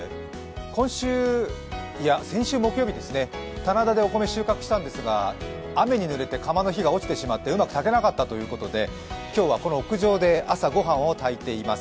今週、いや先週木曜日ですね、棚田でお米を収穫したんですが雨にぬれて釜の火が落ちてしまってうまく炊けなかったということで今日はこの屋上で朝、ごはんを準備しています。